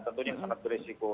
tentunya sangat berisiko